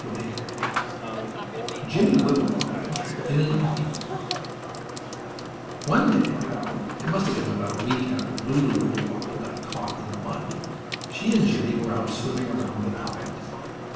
STORY II JIMMIE WIBBLEWOBBLE IN AN AUTO One day, well, it must have been about a week after Lulu Wibblewobble got caught in the mud, she and Jimmie were out swimming around the pond.